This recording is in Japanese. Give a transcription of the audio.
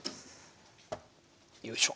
よいしょ。